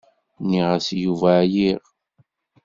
Nniɣ-as i Yuba εyiɣ.